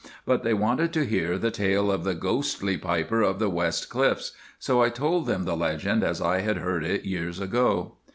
But they wanted to hear the tale of the "Ghostly Piper of the West Cliffs"; so I told them the legend as I had heard it years ago.